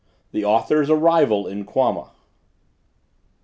THE AUTHOR'S ARRIVAL IN QUAMA.